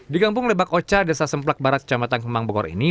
di kampung lebak oca desa semplak barat jambatan kemang bogor ini